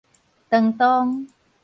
當當